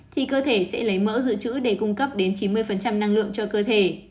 thì cơ thể sẽ lấy mỡ dự trữ để cung cấp đến chín mươi năng lượng cho cơ thể